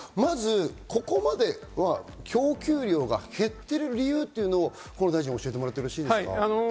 ここまでは供給量が減ってる理由というのを河野大臣、教えてもらってよろしいですか？